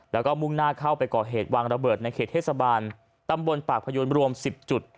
แล้วก็มุ่งหน้าเข้าไปก่อเหตุวางระเบิดในเขตเทศบาลตำบลปากพยูนรวม๑๐จุด